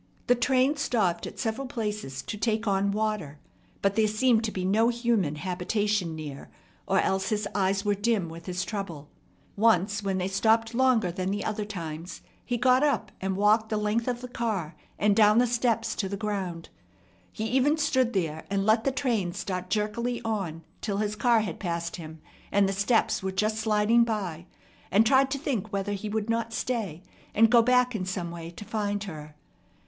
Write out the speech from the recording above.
The train stopped at several places to take on water; but there seemed to be no human habitation near, or else his eyes were dim with his trouble. Once, when they stopped longer than the other times, he got up and walked the length of the car and down the steps to the ground. He even stood there, and let the train start jerkily on till his car had passed him, and the steps were just sliding by, and tried to think whether he would not stay, and go back in some way to find her.